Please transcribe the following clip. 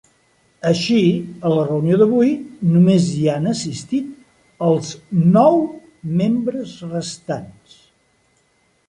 Així, a la reunió d’avui només hi han assistit els nou membres restants.